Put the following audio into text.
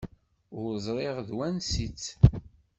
Ur ẓriɣ n wansi-tt.